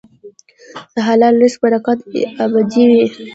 د حلال رزق برکت ابدي وي.